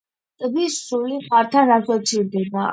ტბის სული ხართან ასოცირდება.